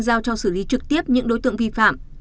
giao cho xử lý trực tiếp những đối tượng vi phạm